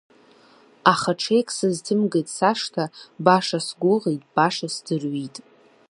Аха ҽеик сызҭымгеит сашҭа, баша сгәыӷит, баша сӡырҩит.